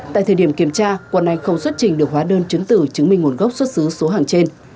tại thời điểm kiểm tra quận anh không xuất trình được hóa đơn chứng tử chứng minh nguồn gốc xuất xứ số hàng trên